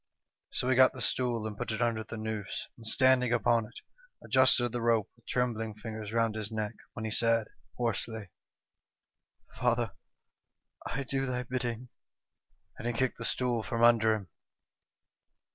" So he got the stool and put it under the noose, and standing upon it, adjusted the rope with trembling fingers round his neck, when he said, hoarsely :' Father, I do thy bidding,' and he kicked the stool from under him.